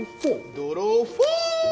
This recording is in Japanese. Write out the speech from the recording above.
ドローフォー！！